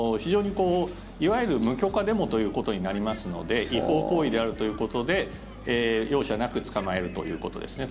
いわゆる無許可デモということになりますので違法行為であるということで容赦なく捕まえるということですね。